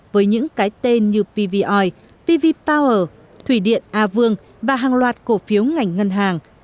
với những cái tên như pvr pv power thủy điện a vương và hàng loạt cổ phiếu ngành ngân hàng